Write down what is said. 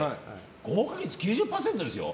合格率９０％ですよ。